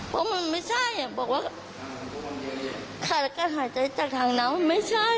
เพราะมันไม่ใช่บอกว่าขาดอากาศหายใจจากทางน้ำมันไม่ใช่